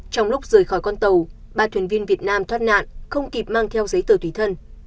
trong lúc rời khỏi con tàu ba thuyền viên việt nam thoát nạn không kịp mang theo giấy tờ tùy thân